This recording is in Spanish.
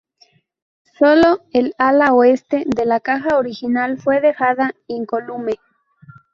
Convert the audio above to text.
Solo el ala-oeste de la casa original fue dejada incólume.